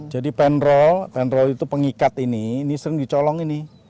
jadi penrol itu pengikat ini sering dicolong ini